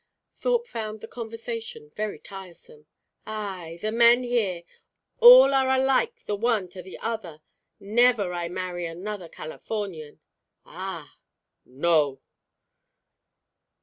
Thorpe found the conversation very tiresome. "Ay! The men here all are alike the one to the other. Never I marry another Californian." "Ah!" "No!"